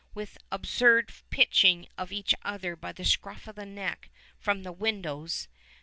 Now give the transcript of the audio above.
with absurd pitching of each other by the scruff of the neck from the windows.